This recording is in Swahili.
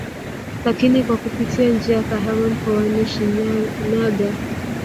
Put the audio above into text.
Lakini kwa kupitia njia Kahama mkoani Shinyanaga